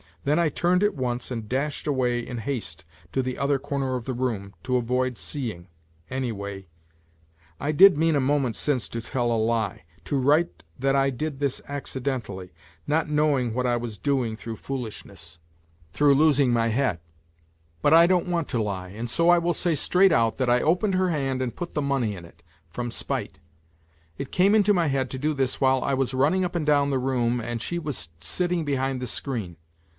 Then I turned at once and dashed away in haste to the other corner of the room to avoid seeing, anyway. ... I did mean a moment since to tell a lie to write that I did this accidentally, not knowing what I was doing through foolishness, 152 NOTES FROM UNDERGROUND through losing my head. But I don't want to lie, and so I will say straight out that I opened her hand and put the money in it ... from spite. It came into my head to do this while I was running up and down the room and she was sitting behind the screen.